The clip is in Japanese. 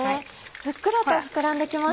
ふっくらと膨らんで来ました。